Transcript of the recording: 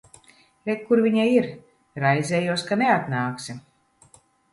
Re, kur viņa ir. Raizējos, ka neatnāksi.